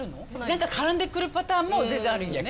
何か絡んでくるパターンも全然あるんだよね